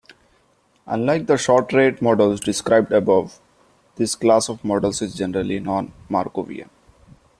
Unlike the short rate models described above, this class of models is generally non-Markovian.